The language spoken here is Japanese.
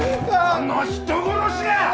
この人殺しが！